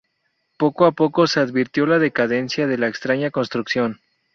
Poco a poco se advirtió la decadencia de la extraña construcción.